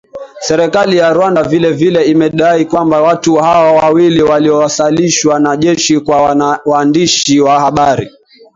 Serikali ya Rwanda vile vile imedai kwamba watu hao wawili walioasilishwa na jeshi kwa waandishi wa habari